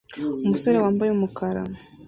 Umusore wambaye umukara